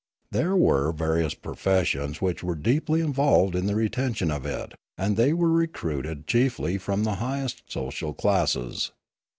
There were various professions which were deeply involved in the retention of it, and they were recruited chiefly from the highest social classes.